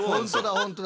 本当だ